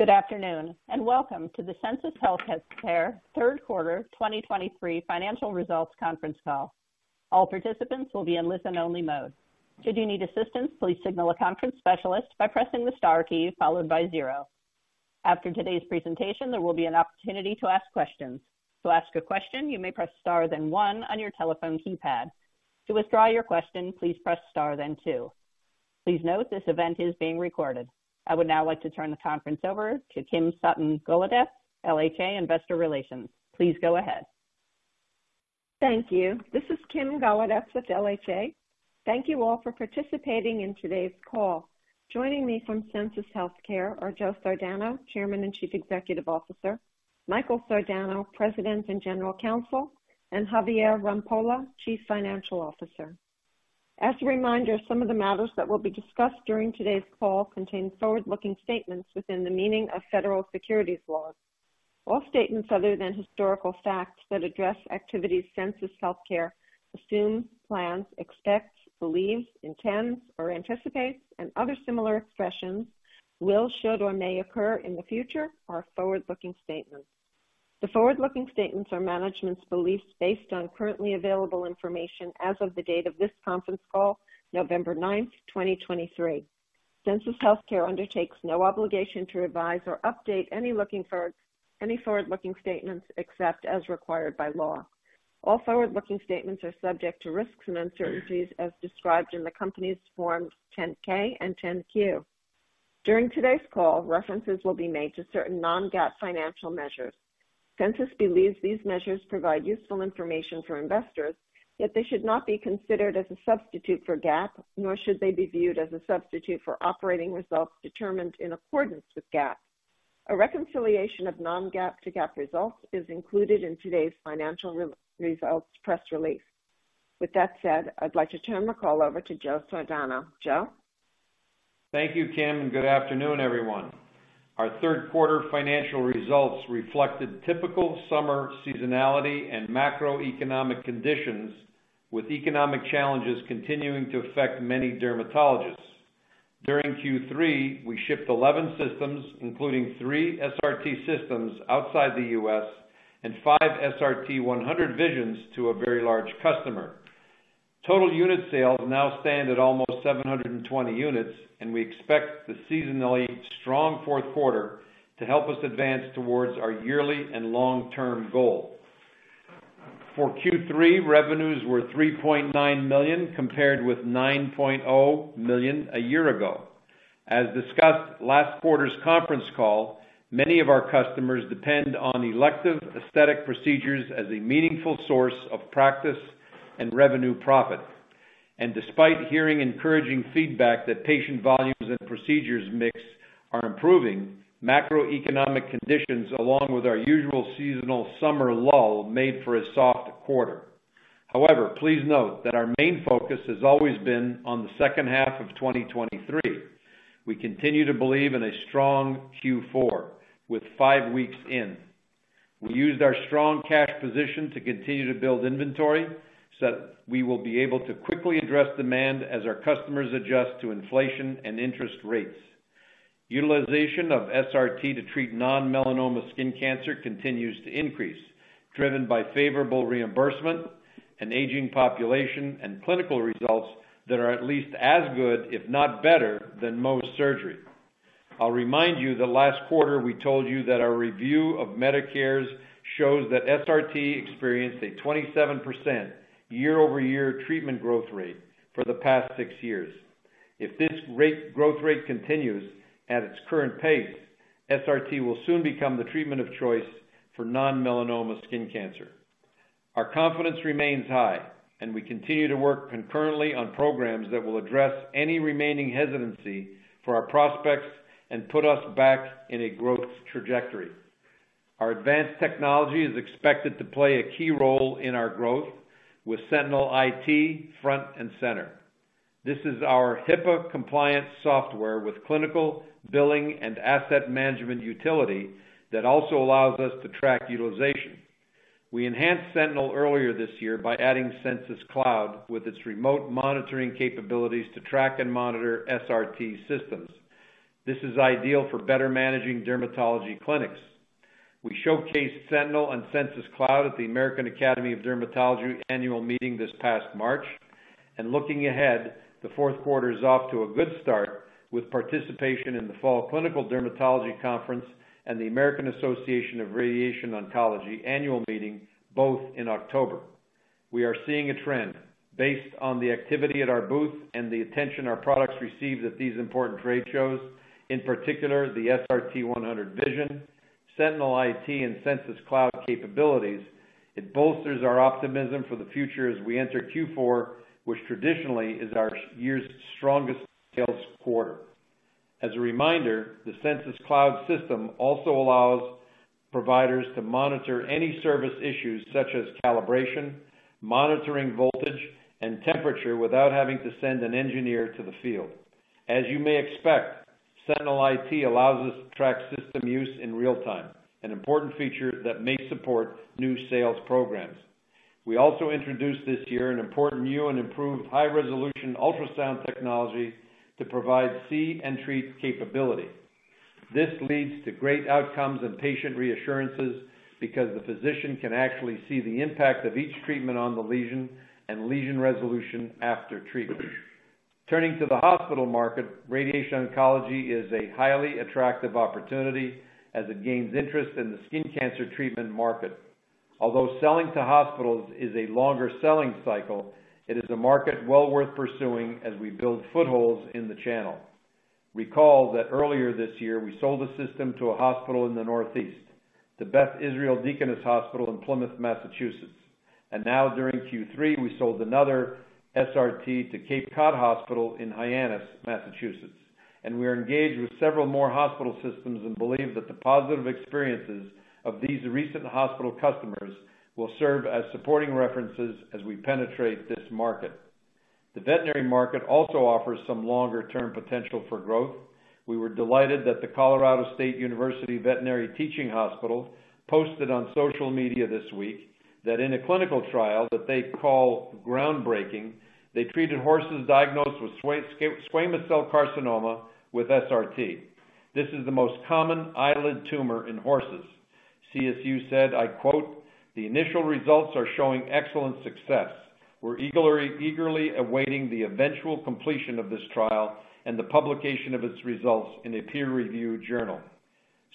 Good afternoon, and welcome to the Sensus Healthcare third quarter 2023 financial results conference call. All participants will be in listen-only mode. Should you need assistance, please signal a conference specialist by pressing the star key followed by zero. After today's presentation, there will be an opportunity to ask questions. To ask a question, you may press star, then one on your telephone keypad. To withdraw your question, please press star then two. Please note, this event is being recorded. I would now like to turn the conference over to Kim Sutton Golodetz, LHA Investor Relations. Please go ahead. Thank you. This is Kim Golodetz with LHA. Thank you all for participating in today's call. Joining me from Sensus Healthcare are Joe Sardano, Chairman and Chief Executive Officer, Michael Sardano, President and General Counsel, and Javier Rampolla, Chief Financial Officer. As a reminder, some of the matters that will be discussed during today's call contain forward-looking statements within the meaning of federal securities laws. All statements other than historical facts that address activities Sensus Healthcare assumes, plans, expects, believes, intends or anticipates, and other similar expressions will, should or may occur in the future are forward-looking statements. The forward-looking statements are management's beliefs based on currently available information as of the date of this conference call, November ninth, 2023. Sensus Healthcare undertakes no obligation to revise or update any forward-looking statements except as required by law. All forward-looking statements are subject to risks and uncertainties as described in the company's Forms 10-K and 10-Q. During today's call, references will be made to certain non-GAAP financial measures. Sensus believes these measures provide useful information for investors, yet they should not be considered as a substitute for GAAP, nor should they be viewed as a substitute for operating results determined in accordance with GAAP. A reconciliation of non-GAAP to GAAP results is included in today's financial results press release. With that said, I'd like to turn the call over to Joe Sardano. Joe? Thank you, Kim, and good afternoon, everyone. Our third quarter financial results reflected typical summer seasonality and macroeconomic conditions, with economic challenges continuing to affect many dermatologists. During Q3 we shipped 11 systems, including three SRT systems outside the U.S. and five SRT-100 Visions to a very large customer. Total unit sales now stand at almost 720 units, and we expect the seasonally strong fourth quarter to help us advance towards our yearly and long-term goal. For Q3, revenues were $3.9 million, compared with $9 million a year ago. As discussed, last quarter's conference call, many of our customers depend on elective aesthetic procedures as a meaningful source of practice and revenue profit. And despite hearing encouraging feedback that patient volumes and procedures mix are improving, macroeconomic conditions, along with our usual seasonal summer lull made for a soft quarter. However, please note that our main focus has always been on the second half of 2023. We continue to believe in a strong Q4 with five weeks in. We used our strong cash position to continue to build inventory so that we will be able to quickly address demand as our customers adjust to inflation and interest rates. Utilization of SRT to treat non-melanoma skin cancer continues to increase, driven by favorable reimbursement and aging population and clinical results that are at least as good, if not better, than Mohs surgery. I'll remind you that last quarter we told you that our review of Medicare's shows that SRT experienced a 27% year-over-year treatment growth rate for the past six years. If this rate, growth rate continues at its current pace SRT will soon become the treatment of choice for non-melanoma skin cancer. Our confidence remains high, and we continue to work concurrently on programs that will address any remaining hesitancy for our prospects and put us back in a growth trajectory. Our advanced technology is expected to play a key role in our growth, with Sentinel front and center. This is our HIPAA-compliant software with clinical, billing and asset management utility that also allows us to track utilization. We enhanced Sentinel earlier this year by adding Sensus Cloud, with its remote monitoring capabilities to track and monitor SRT systems. This is ideal for better managing dermatology clinics. We showcased Sentinel and Sensus Cloud at the American Academy of Dermatology annual meeting this past March, and looking ahead, the fourth quarter is off to a good start with participation in the Fall Clinical Dermatology Conference and the American Society for Radiation Oncology annual meeting both in October. We are seeing a trend based on the activity at our booth and the attention our products receive at these important trade shows, in particular, the SRT-100 Vision, Sentinel IT, and Sensus Cloud capabilities. It bolsters our optimism for the future as we enter Q4 which traditionally is our year's strongest sales quarter. As a reminder, the Sensus Cloud system also allows providers to monitor any service issues, such as calibration, monitoring, voltage, and temperature, without having to send an engineer to the field. As you may expect, Sentinel IT allows us to track system use in real time, an important feature that may support new sales programs. We also introduced this year an important new and improved high-resolution ultrasound technology to provide see and treat capability. This leads to great outcomes and patient reassurances because the physician can actually see the impact of each treatment on the lesion and lesion resolution after treatment. Turning to the hospital market, radiation oncology is a highly attractive opportunity as it gains interest in the skin cancer treatment market. Although selling to hospitals is a longer selling cycle, it is a market well worth pursuing as we build footholds in the channel. Recall that earlier this year, we sold a system to a hospital in the Northeast, the Beth Israel Deaconess Hospital Plymouth, Massachusetts, and now during Q3, we sold another SRT to Cape Cod Hospital, Hyannis, Massachusetts. We are engaged with several more hospital systems and believe that the positive experiences of these recent hospital customers will serve as supporting references as we penetrate this market. The veterinary market also offers some longer-term potential for growth. We were delighted that the Colorado State University Veterinary Teaching Hospital posted on social media this week that in a clinical trial that they call groundbreaking, they treated horses diagnosed with squamous cell carcinoma with SRT. This is the most common eyelid tumor in horses. CSU said, I quote, "The initial results are showing excellent success. We're eagerly, eagerly awaiting the eventual completion of this trial and the publication of its results in a peer-reviewed journal."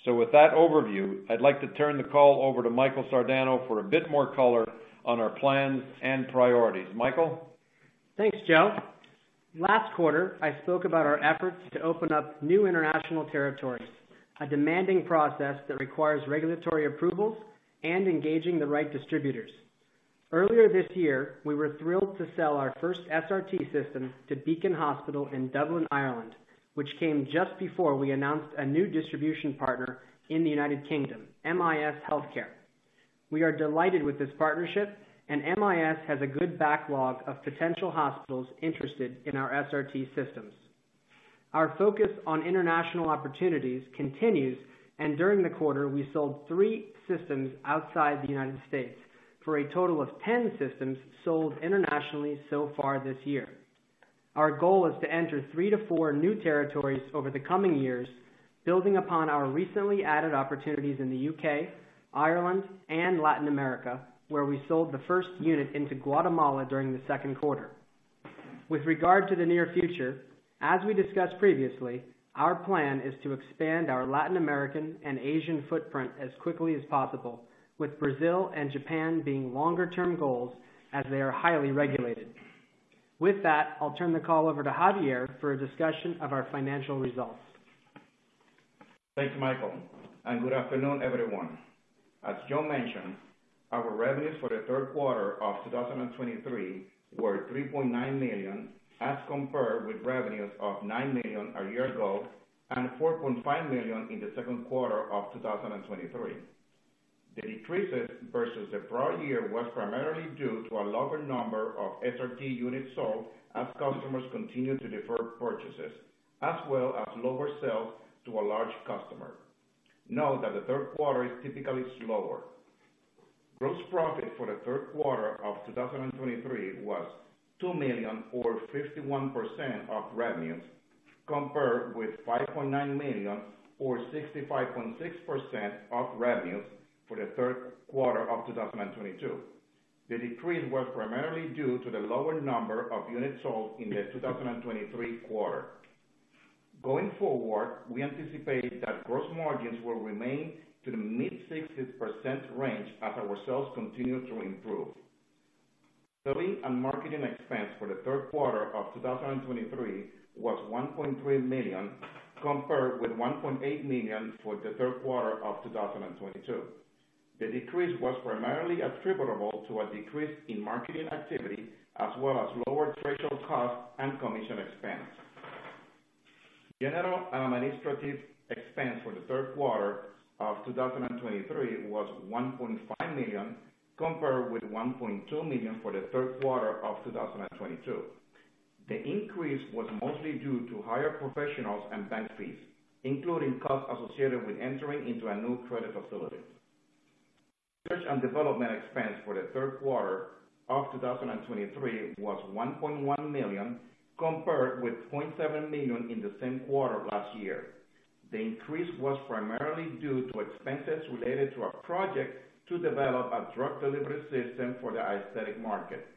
So with that overview, I'd like to turn the call over to Michael Sardano for a bit more color on our plans and priorities. Michael? Thanks, Joe. Last quarter, I spoke about our efforts to open up new international territories, a demanding process that requires regulatory approvals and engaging the right distributors. Earlier this year, we were thrilled to sell our first SRT system to Beacon Hospital in Dublin, Ireland, which came just before we announced a new distribution partner in the United Kingdom, MIS Healthcare. We are delighted with this partnership, and MIS has a good backlog of potential hospitals interested in our SRT systems. Our focus on international opportunities continues, and during the quarter, we sold three systems outside the United States for a total of 10 systems sold internationally so far this year. Our goal is to enter three to four new territories over the coming years, building upon our recently added opportunities in the U.K., Ireland, and Latin America, where we sold the first unit into Guatemala during the second quarter. With regard to the near future, as we discussed previously, our plan is to expand our Latin American and Asian footprint as quickly as possible, with Brazil and Japan being longer-term goals as they are highly regulated. With that, I'll turn the call over to Javier for a discussion of our financial results. Thanks, Michael, and good afternoon, everyone. As Joe mentioned, our revenues for the third quarter of 2023 were $3.9 million, as compared with revenues of $9 million a year ago and $4.5 million in the second quarter of 2023. The decreases versus the prior year was primarily due to a lower number of SRT units sold, as customers continued to defer purchases, as well as lower sales to a large customer. Note that the third quarter is typically slower. Gross profit for the third quarter of 2023 was $2 million, or 51% of revenues, compared with $5.9 million, or 65.6% of revenues for the third quarter of 2022. The decrease was primarily due to the lower number of units sold in the 2023 quarter. Going forward, we anticipate that gross margins will remain in the mid-60%s range as our sales continue to improve. Selling and marketing expense for the third quarter of 2023 was $1.3 million, compared with $1.8 million for the third quarter of 2022. The decrease was primarily attributable to a decrease in marketing activity, as well as lower threshold costs and commission expense. General and administrative expense for the third quarter of 2023 was $1.5 million, compared with $1.2 million for the third quarter of 2022. The increase was mostly due to higher professional and bank fees, including costs associated with entering into a new credit facility. Research and development expense for the third quarter of 2023 was $1.1 million, compared with $0.7 million in the same quarter last year. The increase was primarily due to expenses related to a project to develop a drug delivery system for the aesthetic market.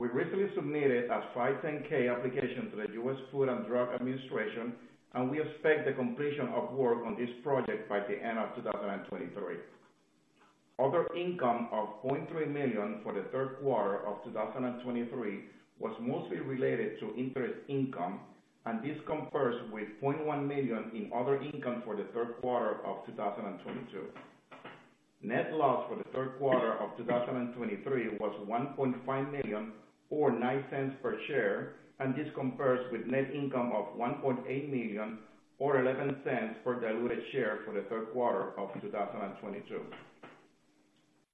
We recently submitted a 510(k) application to the U.S. Food and Drug Administration, and we expect the completion of work on this project by the end of 2023. Other income of $0.3 million for the third quarter of 2023 was mostly related to interest income, and this compares with $0.1 million in other income for the third quarter of 2022. Net loss for the third quarter of 2023 was $1.5 million, or $0.09 per share, and this compares with net income of $1.8 million, or $0.11 per diluted share for the third quarter of 2022.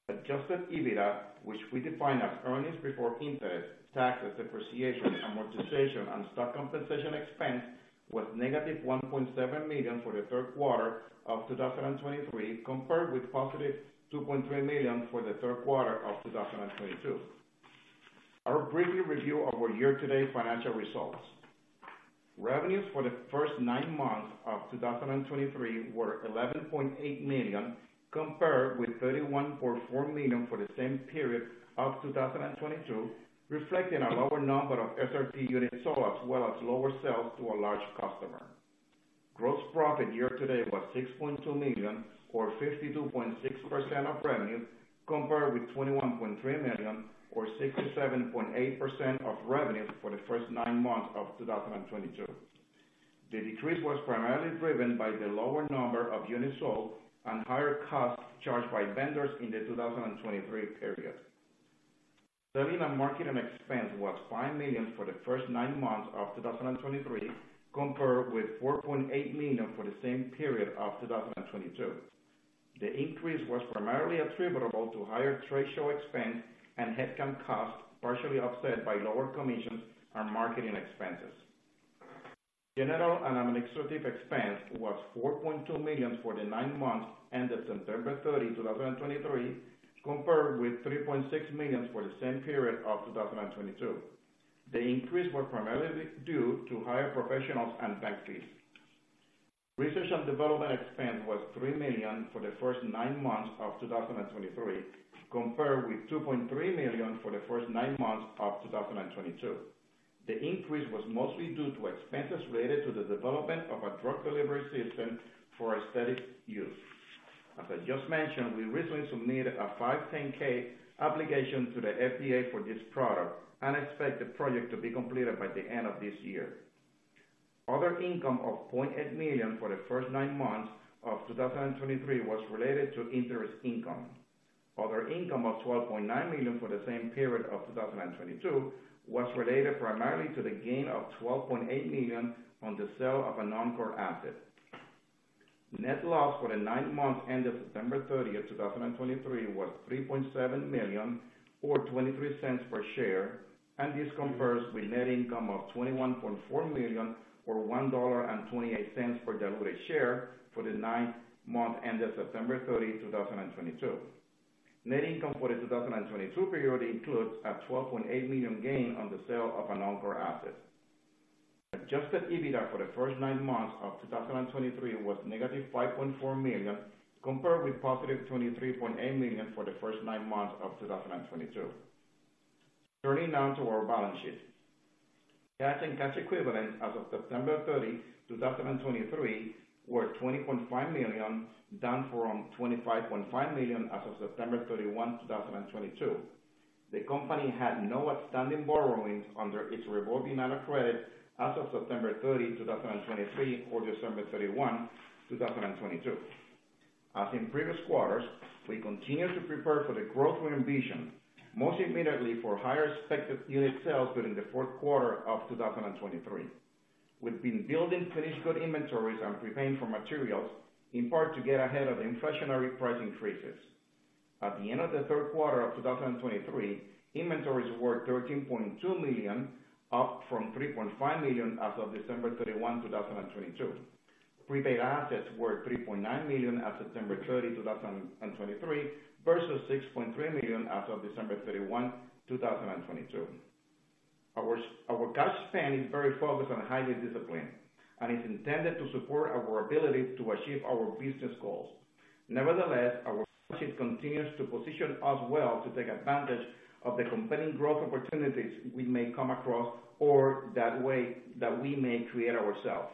Adjusted EBITDA, which we define as earnings before interest, taxes, depreciation, amortization, and stock compensation expense, was -$1.7 million for the third quarter of 2023, compared with $2.3 million for the third quarter of 2022.... I'll briefly review our year-to-date financial results. Revenues for the first nine months of 2023 were $11.8 million, compared with $31.4 million for the same period of 2022, reflecting a lower number of SRT units sold, as well as lower sales to a large customer. Gross profit year-to-date was $6.2 million, or 52.6% of revenue, compared with $21.3 million, or 67.8% of revenue for the first nine months of 2022. The decrease was primarily driven by the lower number of units sold and higher costs charged by vendors in the 2023 period. Selling and marketing expense was $5 million for the first nine months of 2023, compared with $4.8 million for the same period of 2022. The increase was primarily attributable to higher trade show expense and head count costs, partially offset by lower commissions and marketing expenses. General and administrative expense was $4.2 million for the nine months ended September 30, 2023, compared with $3.6 million for the same period of 2022. The increase was primarily due to higher professional and bank fees. Research and development expense was $3 million for the first nine months of 2023, compared with $2.3 million for the first nine months of 2022. The increase was mostly due to expenses related to the development of a drug delivery system for aesthetic use. As I just mentioned, we recently submitted a 510(k) application to the FDA for this product and expect the project to be completed by the end of this year. Other income of $0.8 million for the first nine months of 2023 was related to interest income. Other income of $12.9 million for the same period of 2022 was related primarily to the gain of $12.8 million on the sale of a non-core asset. Net loss for the nine months ended September 30, 2023, was $3.7 million, or $0.23 per share, and this compares with net income of $21.4 million, or $1.28 per diluted share for the ninth month ended September 30, 2022. Net income for the 2022 period includes a $12.8 million gain on the sale of a non-core asset. Adjusted EBITDA for the first nine months of 2023 was -$5.4 million, compared with positive $23.8 million for the first nine months of 2022. Turning now to our balance sheet. Cash and cash equivalents as of September 30, 2023, were $20.5 million, down from $25.5 million as of September 30, 2022. The company had no outstanding borrowings under its revolving line of credit as of September 30, 2023, or December 31, 2022. As in previous quarters, we continue to prepare for the growth we envision, most immediately for higher expected unit sales during the fourth quarter of 2023. We've been building finished good inventories and preparing for materials, in part to get ahead of inflationary price increases. At the end of the third quarter of 2023, inventories were $13.2 million, up from $3.5 million as of December 31, 2022. Prepaid assets were $3.9 million as of September 30, 2023, versus $6.3 million as of December 31, 2022. Our cash spend is very focused and highly disciplined, and is intended to support our ability to achieve our business goals. Nevertheless, our position continues to position us well to take advantage of the compelling growth opportunities we may come across or that way, that we may create ourselves.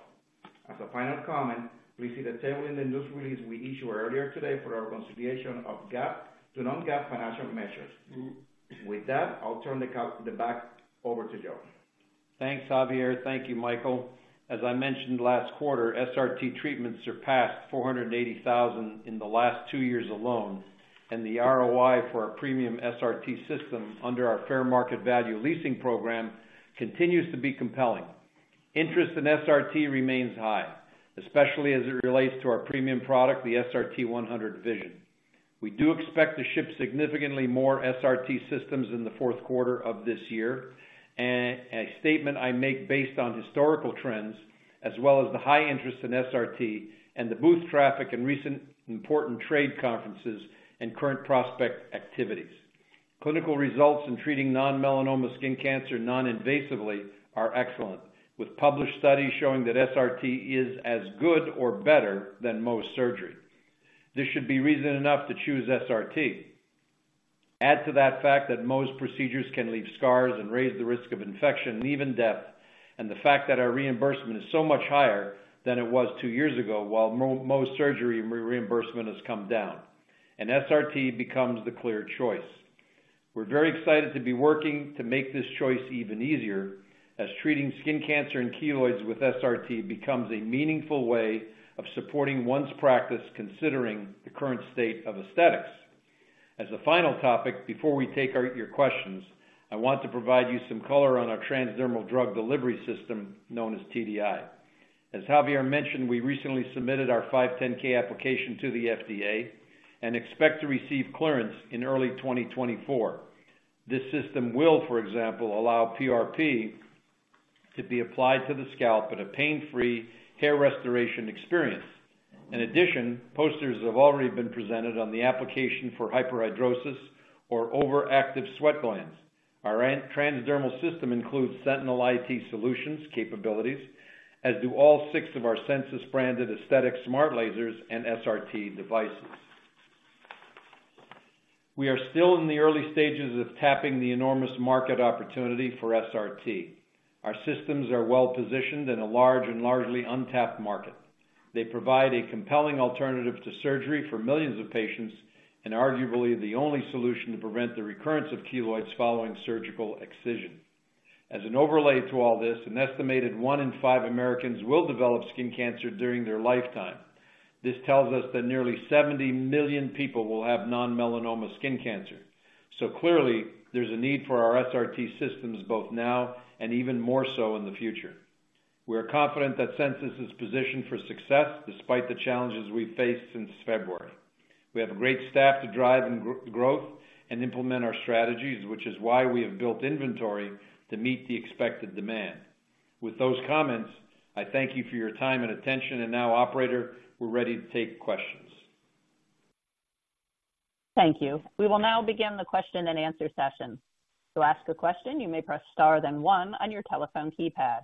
As a final comment, please see the table in the news release we issued earlier today for our reconciliation of GAAP to non-GAAP financial measures. With that, I'll turn the call, the back over to Joe. Thanks, Javier. Thank you, Michael. As I mentioned last quarter, SRT treatments surpassed 480,000 in the last two years alone, and the ROI for our premium SRT system under our fair market value leasing program continues to be compelling. Interest in SRT remains high, especially as it relates to our premium product, the SRT-100 Vision. We do expect to ship significantly more SRT systems in the fourth quarter of this year, and a statement I make based on historical trends, as well as the high interest in SRT and the booth traffic in recent important trade conferences and current prospect activities. Clinical results in treating non-melanoma skin cancer non-invasively are excellent, with published studies showing that SRT is as good or better than Mohs surgery. This should be reason enough to choose SRT. Add to that fact that most procedures can leave scars and raise the risk of infection and even death, and the fact that our reimbursement is so much higher than it was two years ago, while Mohs surgery reimbursement has come down, and SRT becomes the clear choice. We're very excited to be working to make this choice even easier, as treating skin cancer and keloids with SRT becomes a meaningful way of supporting one's practice, considering the current state of aesthetics. As a final topic, before we take your questions, I want to provide you some color on our transdermal drug delivery system, known as TDI. As Javier mentioned, we recently submitted our 510(k) application to the FDA and expect to receive clearance in early 2024. This system will, for example, allow PRP-... to be applied to the scalp, but a pain-free hair restoration experience. In addition, posters have already been presented on the application for hyperhidrosis or overactive sweat glands. Our transdermal system includes Sentinel IT solutions capabilities, as do all six of our Sensus-branded aesthetic smart lasers and SRT devices. We are still in the early stages of tapping the enormous market opportunity for SRT. Our systems are well positioned in a large and largely untapped market. They provide a compelling alternative to surgery for millions of patients, and arguably, the only solution to prevent the recurrence of keloids following surgical excision. As an overlay to all this, an estimated one in five Americans will develop skin cancer during their lifetime. This tells us that nearly 70 million people will have non-melanoma skin cancer. So clearly, there's a need for our SRT systems, both now and even more so in the future. We are confident that Sensus is positioned for success despite the challenges we've faced since February. We have a great staff to drive and growth and implement our strategies, which is why we have built inventory to meet the expected demand. With those comments, I thank you for your time and attention, and now, operator, we're ready to take questions. Thank you. We will now begin the question-and-answer session. To ask a question, you may press star then one on your telephone keypad.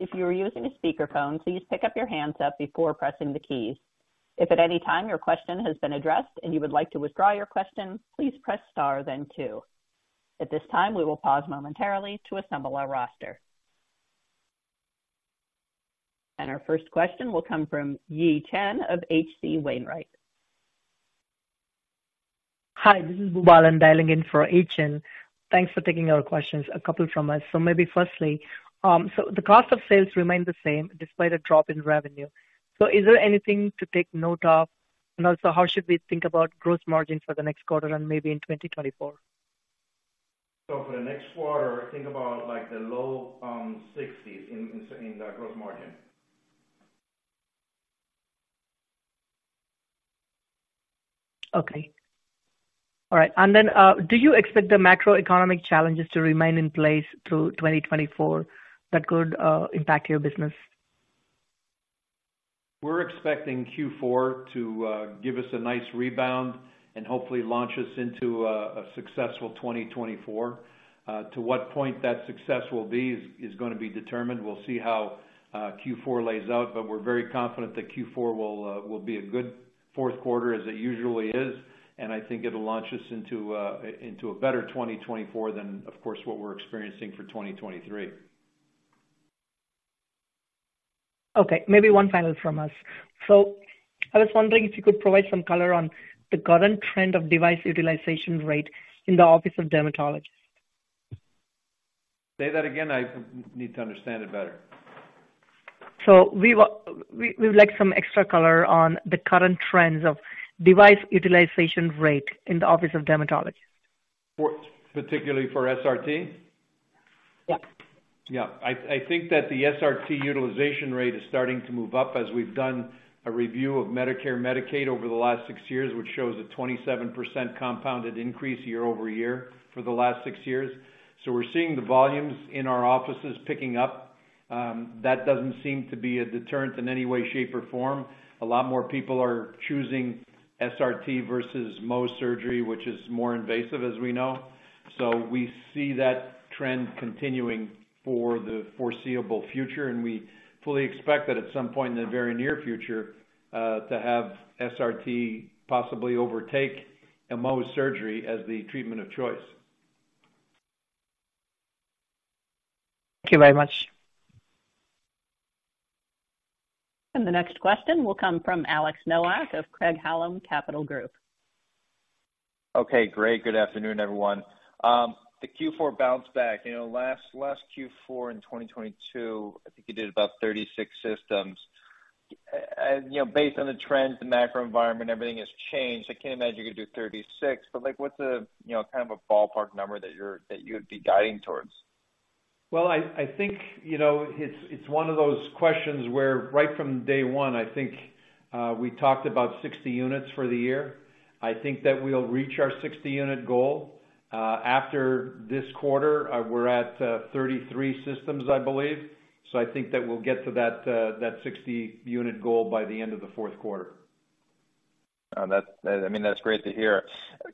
If you are using a speakerphone, please pick up your handset before pressing the key. If at any time your question has been addressed and you would like to withdraw your question, please press star then two. At this time, we will pause momentarily to assemble our roster. Our first question will come from Yi Chen of H.C. Wainwright. Hi, this is Boobalan, I'm dialing in for Yi Chen. Thanks for taking our questions, a couple from us. So maybe firstly, so the cost of sales remained the same despite a drop in revenue. So is there anything to take note of? And also, how should we think about growth margins for the next quarter and maybe in 2024? So for the next quarter, think about, like, the low sixties in the gross margin. Okay. All right, and then, do you expect the macroeconomic challenges to remain in place through 2024 that could impact your business? We're expecting Q4 to give us a nice rebound and hopefully launch us into a successful 2024. To what point that success will be is gonna be determined. We'll see how Q4 lays out, but we're very confident that Q4 will be a good fourth quarter, as it usually is, and I think it'll launch us into a better 2024 than, of course, what we're experiencing for 2023. Okay, maybe one final from us. I was wondering if you could provide some color on the current trend of device utilization rate in the office of dermatology? Say that again. I need to understand it better. We would like some extra color on the current trends of device utilization rate in the office of dermatology. Particularly for SRT? Yeah. Yeah. I think that the SRT utilization rate is starting to move up as we've done a review of Medicare, Medicaid over the last six years, which shows a 27% compounded increase year-over-year for the last six years. So we're seeing the volumes in our offices picking up. That doesn't seem to be a deterrent in any way, shape, or form. A lot more people are choosing SRT versus Mohs surgery, which is more invasive, as we know. So we see that trend continuing for the foreseeable future, and we fully expect that at some point in the very near future to have SRT possibly overtake a Mohs surgery as the treatment of choice. Thank you very much. The next question will come from Alex Nowak of Craig-Hallum Capital Group. Okay, great. Good afternoon, everyone. The Q4 bounce back, you know, last, last Q4 in 2022, I think you did about 36 systems. You know, based on the trends, the macro environment, everything has changed. I can't imagine you're gonna do 36, but, like, what's the, you know, kind of a ballpark number that you're, that you'd be guiding towards? Well, I think, you know, it's one of those questions where right from day one, I think, we talked about 60 units for the year. I think that we'll reach our 60-unit goal. After this quarter, we're at 33 systems, I believe. So I think that we'll get to that 60-unit goal by the end of the fourth quarter. That's, I mean, that's great to hear.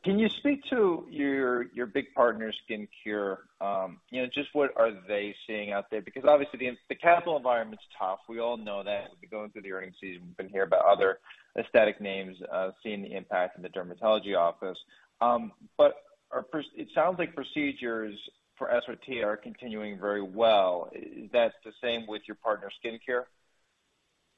Can you speak to your big partner, SkinCure? You know, just what are they seeing out there? Because obviously the capital environment's tough. We all know that. We've been going through the earnings season, we've been hearing about other aesthetic names seeing the impact in the dermatology office. But it sounds like procedures for SRT are continuing very well. Is that the same with your partner, SkinCure?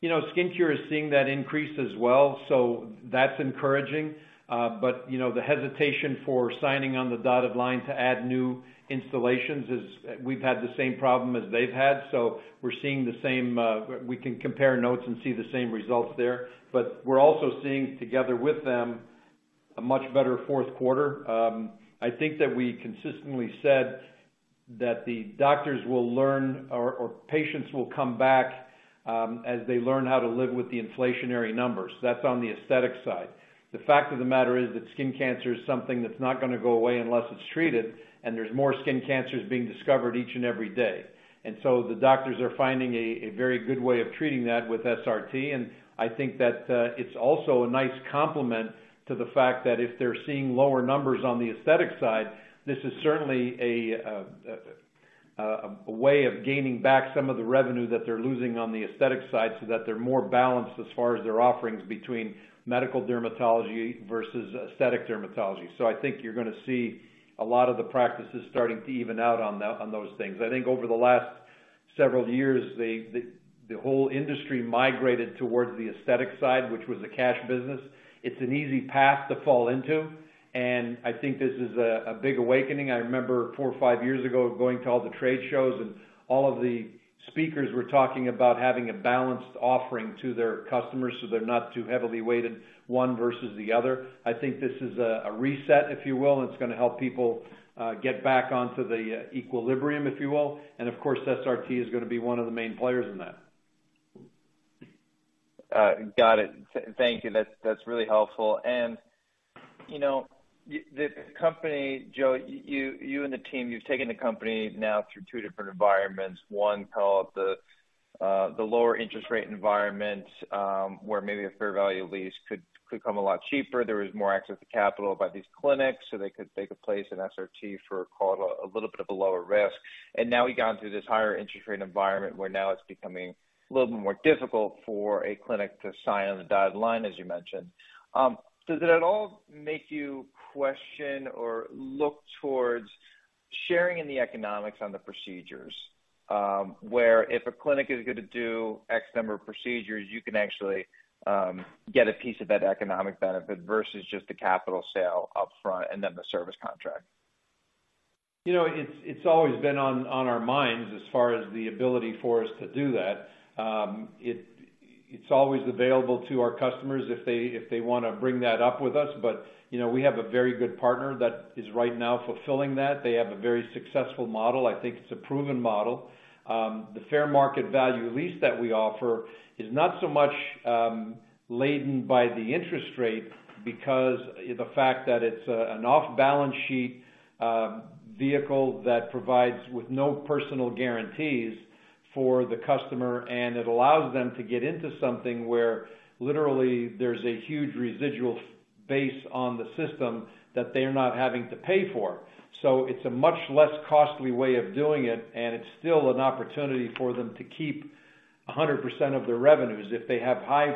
You know, SkinCure is seeing that increase as well, so that's encouraging. But, you know, the hesitation for signing on the dotted line to add new installations is, we've had the same problem as they've had, so we're seeing the same, we can compare notes and see the same results there. But we're also seeing together with them a much better fourth quarter. I think that we consistently said that the doctors will learn or patients will come back, as they learn how to live with the inflationary numbers. That's on the aesthetic side. The fact of the matter is that skin cancer is something that's not gonna go away unless it's treated, and there's more skin cancers being discovered each and every day. And so the doctors are finding a very good way of treating that with SRT, and I think that, it's also a nice complement to the fact that if they're seeing lower numbers on the aesthetic side, this is certainly a way of gaining back some of the revenue that they're losing on the aesthetic side, so that they're more balanced as far as their offerings between medical dermatology versus aesthetic dermatology. So I think you're gonna see a lot of the practices starting to even out on those things. I think over the last several years, the whole industry migrated towards the aesthetic side, which was a cash business. It's an easy path to fall into, and I think this is a big awakening. I remember four or five years ago, going to all the trade shows, and all of the speakers were talking about having a balanced offering to their customers, so they're not too heavily weighted, one versus the other. I think this is a reset, if you will, and it's gonna help people get back onto the equilibrium, if you will. Of course, SRT is gonna be one of the main players in that. Got it. Thank you. That's really helpful. And, you know, the company, Joe, you and the team, you've taken the company now through two different environments. One, call it the lower interest rate environment, where maybe a fair market value lease could come a lot cheaper. There was more access to capital by these clinics, so they could take a place in SRT for, call it, a little bit of a lower risk. And now we've gone through this higher interest rate environment, where now it's becoming a little bit more difficult for a clinic to sign on the dotted line, as you mentioned. Does it at all make you question or look towards sharing in the economics on the procedures? Where if a clinic is gonna do X number of procedures, you can actually get a piece of that economic benefit versus just the capital sale upfront, and then the service contract. You know, it's always been on our minds as far as the ability for us to do that. It's always available to our customers if they wanna bring that up with us. But, you know, we have a very good partner that is right now fulfilling that. They have a very successful model. I think it's a proven model. The fair market value lease that we offer is not so much laden by the interest rate because the fact that it's an off-balance sheet vehicle that provides with no personal guarantees for the customer, and it allows them to get into something where literally there's a huge residual base on the system that they're not having to pay for. So it's a much less costly way of doing it, and it's still an opportunity for them to keep 100% of their revenues. If they have high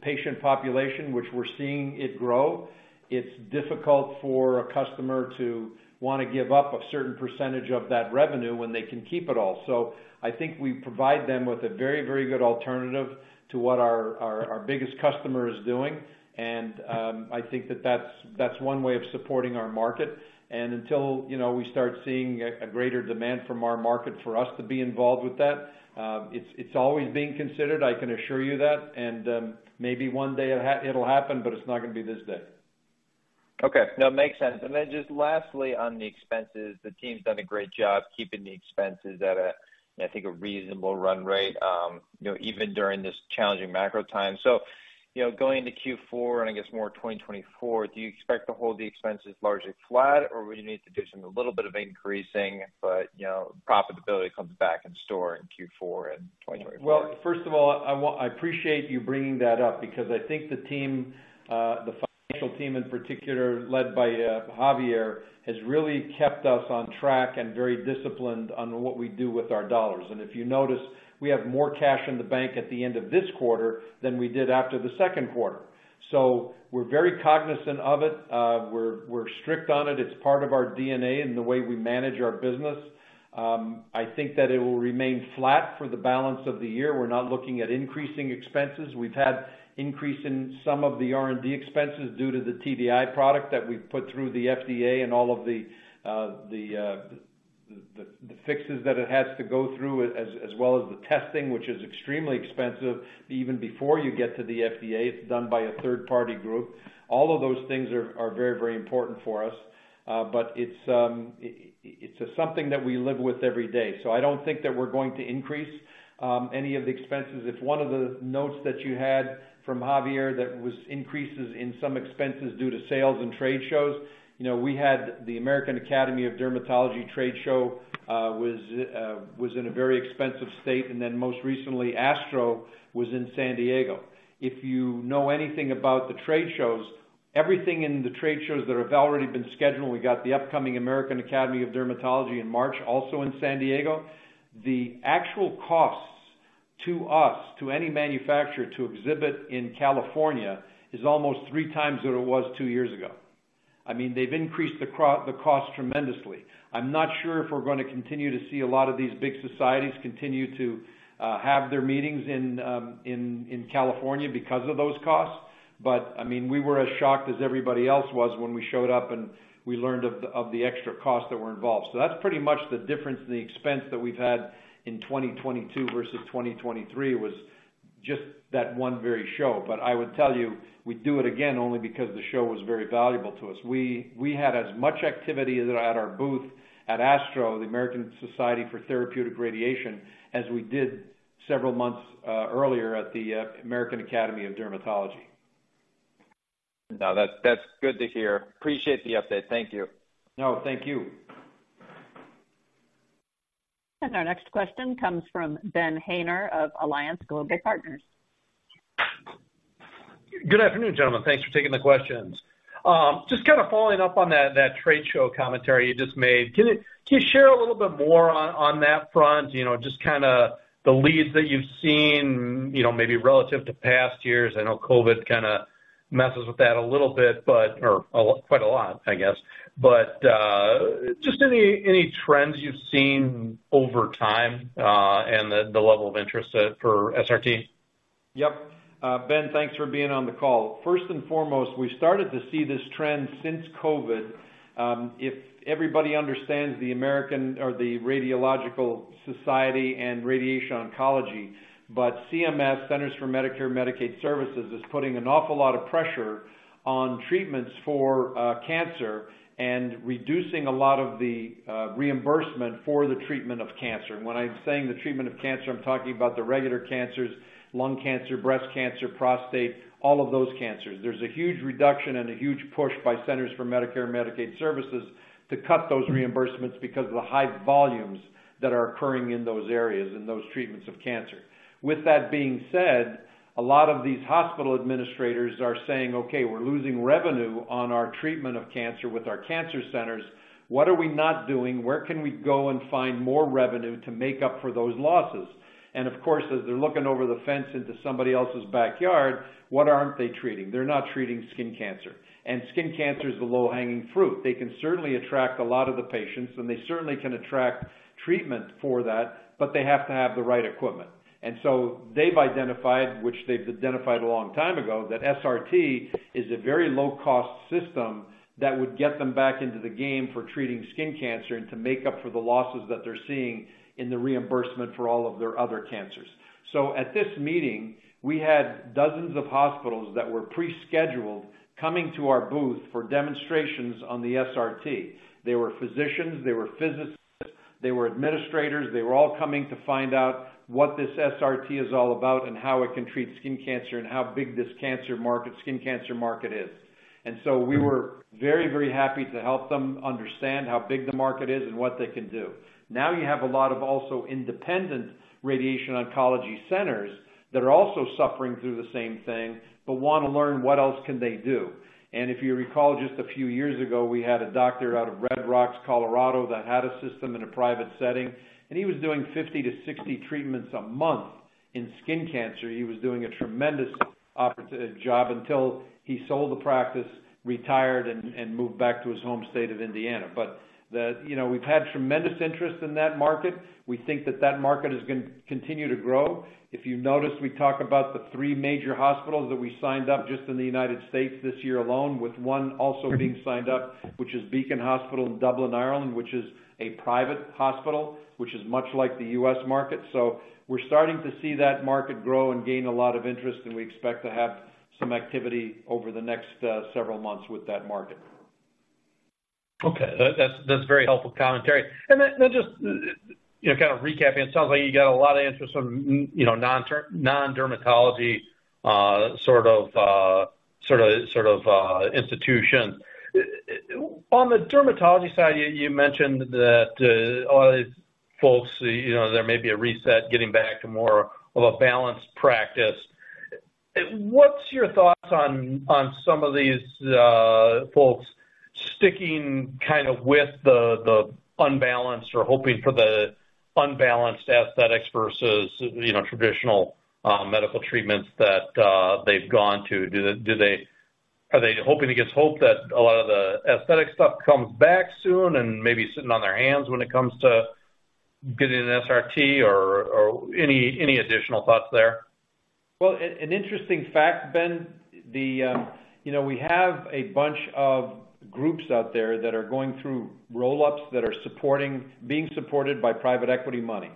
patient population, which we're seeing it grow, it's difficult for a customer to wanna give up a certain percentage of that revenue when they can keep it all. So I think we provide them with a very, very good alternative to what our biggest customer is doing, and I think that, that's one way of supporting our market. And until, you know, we start seeing a greater demand from our market for us to be involved with that, it's always being considered, I can assure you that. And maybe one day it'll happen, but it's not gonna be this day. Okay. No, it makes sense. And then just lastly, on the expenses, the team's done a great job keeping the expenses at a, I think, a reasonable run rate, you know, even during this challenging macro time. So, you know, going into Q4 and I guess more 2024, do you expect to hold the expenses largely flat, or would you need to do some a little bit of increasing, but, you know, profitability comes back in store in Q4 and 2024? Well, first of all, I appreciate you bringing that up because I think the team, the financial team in particular, led by Javier, has really kept us on track and very disciplined on what we do with our dollars. And if you notice, we have more cash in the bank at the end of this quarter than we did after the second quarter. So we're very cognizant of it. We're strict on it. It's part of our DNA and the way we manage our business. I think that it will remain flat for the balance of the year. We're not looking at increasing expenses. We've had increase in some of the R&D expenses due to the TDI product that we've put through the FDA and all of the fixes that it has to go through, as well as the testing, which is extremely expensive, even before you get to the FDA. It's done by a third-party group. All of those things are very, very important for us, but it's something that we live with every day, so I don't think that we're going to increase any of the expenses. It's one of the notes that you had from Javier that was increases in some expenses due to sales and trade shows. You know, we had the American Academy of Dermatology trade show was in a very expensive state, and then most recently, ASTRO was in San Diego. If you know anything about the trade shows, everything in the trade shows that have already been scheduled, we got the upcoming American Academy of Dermatology in March, also in San Diego. The actual costs to us, to any manufacturer to exhibit in California, is almost three times what it was two years ago. I mean, they've increased the cost tremendously. I'm not sure if we're gonna continue to see a lot of these big societies continue to have their meetings in California because of those costs. But I mean, we were as shocked as everybody else was when we showed up, and we learned of the extra costs that were involved. So that's pretty much the difference in the expense that we've had in 2022 versus 2023, was just that one very show. But I would tell you, we'd do it again only because the show was very valuable to us. We had as much activity at our booth at ASTRO, the American Society for Therapeutic Radiation, as we did several months earlier at the American Academy of Dermatology. Now, that's, that's good to hear. Appreciate the update. Thank you. No, thank you. Our next question comes from Ben Haynor of Alliance Global Partners. Good afternoon, gentlemen. Thanks for taking the questions. Just kind of following up on that, that trade show commentary you just made, can you, can you share a little bit more on, on that front? You know, just kind of the leads that you've seen, you know, maybe relative to past years. I know COVID kind of messes with that a little bit, but, or a lot, quite a lot, I guess. But, just any, any trends you've seen over time, and the, the level of interest at for SRT? Yep. Ben, thanks for being on the call. First and foremost, we started to see this trend since COVID. If everybody understands the American or the Radiological Society and Radiation Oncology, but CMS, Centers for Medicare and Medicaid Services, is putting an awful lot of pressure on treatments for cancer and reducing a lot of the reimbursement for the treatment of cancer. When I'm saying the treatment of cancer, I'm talking about the regular cancers: lung cancer, breast cancer, prostate, all of those cancers. There's a huge reduction and a huge push by Centers for Medicare and Medicaid Services to cut those reimbursements because of the high volumes that are occurring in those areas and those treatments of cancer. With that being said, a lot of these hospital administrators are saying, "Okay, we're losing revenue on our treatment of cancer with our cancer centers. What are we not doing? Where can we go and find more revenue to make up for those losses?" And of course, as they're looking over the fence into somebody else's backyard, what aren't they treating? They're not treating skin cancer, and skin cancer is the low-hanging fruit. They can certainly attract a lot of the patients, and they certainly can attract treatment for that, but they have to have the right equipment. And so they've identified, which they've identified a long time ago, that SRT is a very low-cost system that would get them back into the game for treating skin cancer and to make up for the losses that they're seeing in the reimbursement for all of their other cancers. So at this meeting, we had dozens of hospitals that were pre-scheduled, coming to our booth for demonstrations on the SRT. They were physicians, they were physicists, they were administrators. They were all coming to find out what this SRT is all about and how it can treat skin cancer, and how big this cancer market, skin cancer market is. And so we were very, very happy to help them understand how big the market is and what they can do. Now, you have a lot of also independent radiation oncology centers that are also suffering through the same thing, but want to learn what else can they do. And if you recall, just a few years ago, we had a doctor out of Red Rocks, Colorado, that had a system in a private setting, and he was doing 50-60 treatments a month in skin cancer. He was doing a tremendous job until he sold the practice, retired, and moved back to his home state of Indiana. But... You know, we've had tremendous interest in that market. We think that that market is going to continue to grow. If you notice, we talk about the three major hospitals that we signed up just in the United States this year alone, with one also being signed up, which is Beacon Hospital in Dublin, Ireland, which is a private hospital, which is much like the U.S. market. So we're starting to see that market grow and gain a lot of interest, and we expect to have some activity over the next several months with that market. Okay. That's very helpful commentary. Then just, you know, kind of recapping, it sounds like you got a lot of interest from, you know, non-dermatology sort of institution. On the dermatology side, you mentioned that all folks, you know, there may be a reset, getting back to more of a balanced practice. What's your thoughts on some of these folks sticking kind of with the unbalanced or hoping for the unbalanced aesthetics versus, you know, traditional medical treatments that they've gone to? Do they - are they hoping to get hope that a lot of the aesthetic stuff comes back soon and maybe sitting on their hands when it comes to getting an SRT or any additional thoughts there? Well, an interesting fact, Ben, you know, we have a bunch of groups out there that are going through roll-ups that are supporting... being supported by private equity money.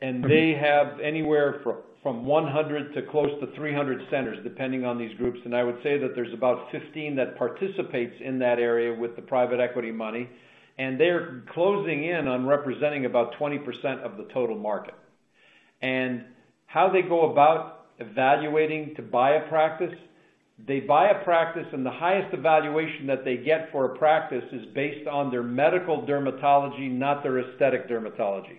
And they have anywhere from 100 to close to 300 centers, depending on these groups. And I would say that there's about 15 that participates in that area with the private equity money, and they're closing in on representing about 20% of the total market. And how they go about evaluating to buy a practice, they buy a practice, and the highest evaluation that they get for a practice is based on their medical dermatology, not their aesthetic dermatology.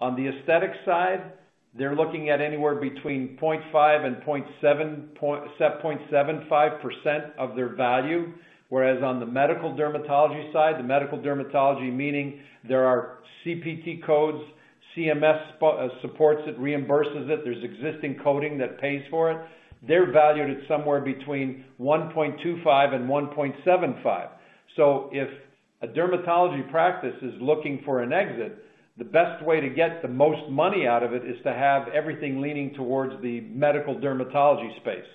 On the aesthetic side, they're looking at anywhere between 0.5% and 0.75% of their value, whereas on the medical dermatology side, the medical dermatology, meaning there are CPT codes, CMS supports it, reimburses it, there's existing coding that pays for it. They're valued at somewhere between 1.25% and 1.75%. If a dermatology practice is looking for an exit, the best way to get the most money out of it is to have everything leaning towards the medical dermatology space.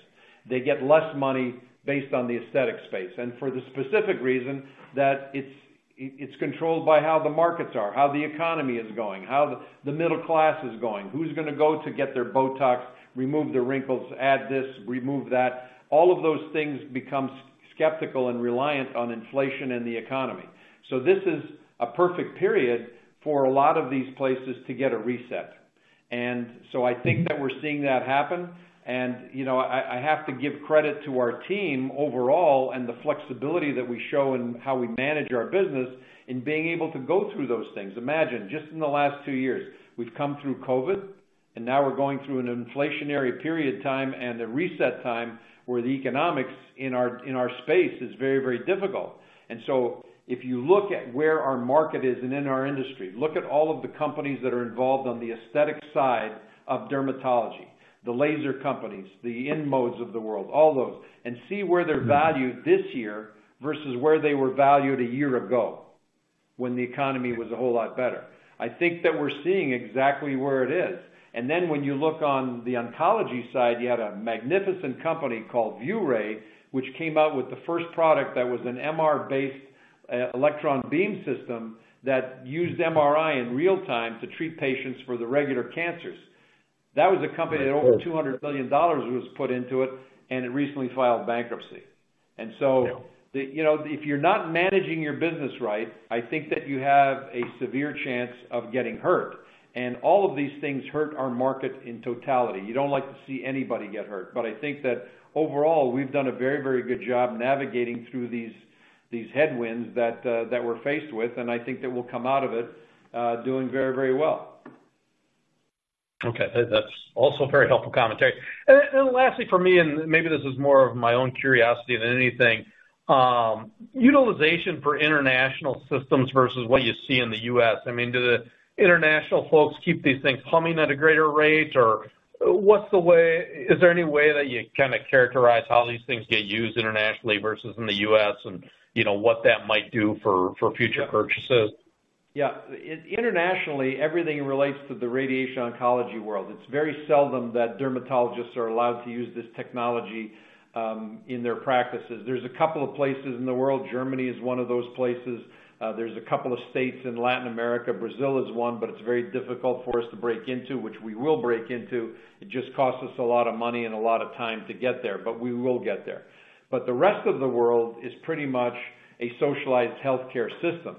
They get less money based on the aesthetic space, and for the specific reason that it's, it's controlled by how the markets are, how the economy is going, how the middle class is going, who's gonna go to get their Botox, remove their wrinkles, add this, remove that. All of those things become skeptical and reliant on inflation and the economy. So this is a perfect period for a lot of these places to get a reset. And so I think that we're seeing that happen, and, you know, I have to give credit to our team overall and the flexibility that we show in how we manage our business in being able to go through those things. Imagine, just in the last two years, we've come through COVID, and now we're going through an inflationary period of time and a reset time where the economics in our space is very, very difficult. If you look at where our market is and in our industry, look at all of the companies that are involved on the aesthetic side of dermatology, the laser companies, the InMode of the world, all those, and see where they're valued this year versus where they were valued a year ago when the economy was a whole lot better. I think that we're seeing exactly where it is. Then when you look on the oncology side, you had a magnificent company called ViewRay, which came out with the first product that was an MR-based electron beam system that used MRI in real time to treat patients for the regular cancers. That was a company that over $200 million was put into it, and it recently filed bankruptcy. And so- Yeah. You know, if you're not managing your business right, I think that you have a severe chance of getting hurt, and all of these things hurt our market in totality. You don't like to see anybody get hurt, but I think that overall, we've done a very, very good job navigating through these headwinds that we're faced with, and I think that we'll come out of it doingvery well. Okay. That's also very helpful commentary. Lastly for me, and maybe this is more of my own curiosity than anything, utilization for international systems versus what you see in the U.S. I mean, do the international folks keep these things humming at a greater rate, or what's the way... Is there any way that you kinda characterize how these things get used internationally versus in the ,U.S. and, you know, what that might do for future purchases? Yeah. Internationally, everything relates to the radiation oncology world. It's very seldom that dermatologists are allowed to use this technology in their practices. There's a couple of places in the world, Germany is one of those places. There's a couple of states in Latin America, Brazil is one, but it's very difficult for us to break into, which we will break into. It just costs us a lot of money and a lot of time to get there, but we will get there. But the rest of the world is pretty much a socialized healthcare system,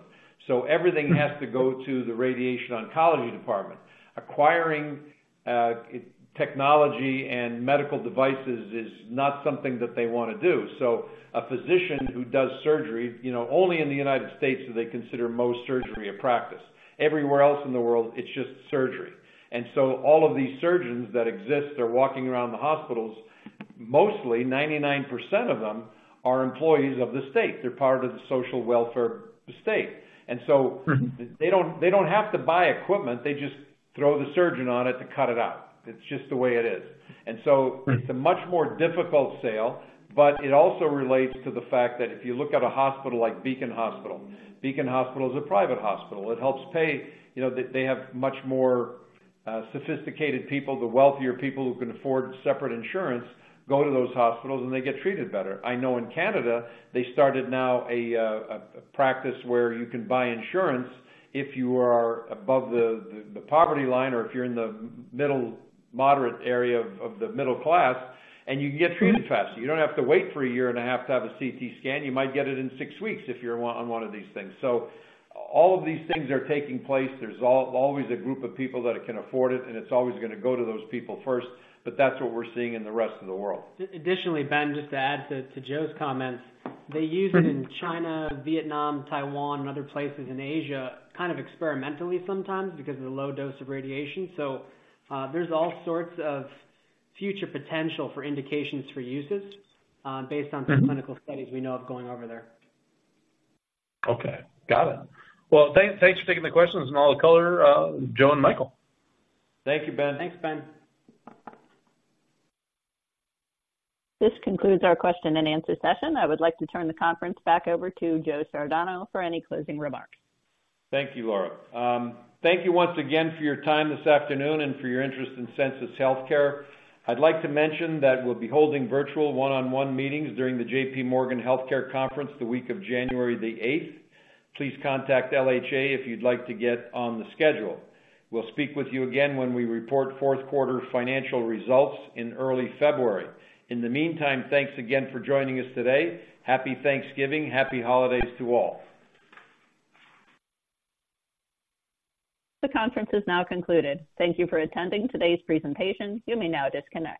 so everything has to go to the radiation oncology department. Acquiring technology and medical devices is not something that they wanna do. So a physician who does surgery, you know, only in the United States, do they consider Mohs surgery a practice. Everywhere else in the world, it's just surgery. And so all of these surgeons that exist are walking around the hospitals, mostly 99% of them are employees of the state. They're part of the social welfare state. And so- Mm-hmm. They don't, they don't have to buy equipment. They just throw the surgeon on it to cut it out. It's just the way it is. And so- Right. It's a much more difficult sale, but it also relates to the fact that if you look at a hospital like Beacon Hospital. Beacon Hospital is a private hospital. It helps pay... You know, they have much more sophisticated people. The wealthier people who can afford separate insurance go to those hospitals, and they get treated better. I know in Canada, they started now a practice where you can buy insurance if you are above the poverty line or if you're in the middle, moderate area of the middle class, and you can get treated faster. You don't have to wait for a year and a half to have a CT scan. You might get it in six weeks if you're on one of these things. So all of these things are taking place. There's always a group of people that can afford it, and it's always gonna go to those people first, but that's what we're seeing in the rest of the world. Additionally, Ben, just to add to Joe's comments, they use it in China, Vietnam, Taiwan, and other places in Asia, kind of experimentally sometimes because of the low dose of radiation. So, there's all sorts of future potential for indications for uses, based on- Mm-hmm - the clinical studies we know of going over there. Okay, got it. Well, thanks, thanks for taking the questions from all the callers, Joe and Michael. Thank you, Ben. Thanks, Ben. This concludes our question and answer session. I would like to turn the conference back over to Joe Sardano for any closing remarks. Thank you, Laura. Thank you once again for your time this afternoon and for your interest in Sensus Healthcare. I'd like to mention that we'll be holding virtual one-on-one meetings during the JPMorgan Healthcare Conference the week of January the 8th. Please contact LHA if you'd like to get on the schedule. We'll speak with you again when we report fourth quarter financial results in early February. In the meantime, thanks again for joining us today. Happy Thanksgiving. Happy holidays to all. The conference is now concluded. Thank you for attending today's presentation. You may now disconnect.